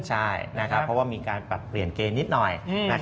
ใช่นะครับเพราะว่ามีการปรับเปลี่ยนเกณฑ์นิดหน่อยนะครับ